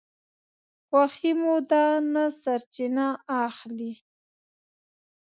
خوښي مو ده نه سرچینه اخلي